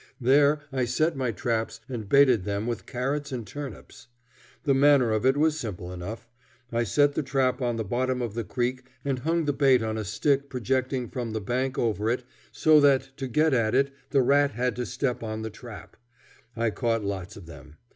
There I set my traps and baited them with carrots and turnips. The manner of it was simple enough. I set the trap on the bottom of the creek and hung the bait on a stick projecting from the bank over it, so that to get at it the rat had to step on the trap. I caught lots of them.